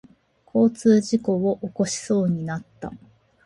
交通事故を起こしそうになった。